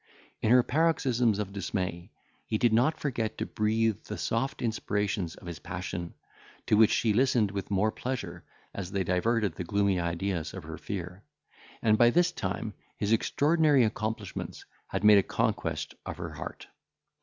In her paroxysms of dismay, he did not forget to breathe the soft inspirations of his passion, to which she listened with more pleasure, as they diverted the gloomy ideas of her fear; and by this time his extraordinary accomplishments had made a conquest of her heart.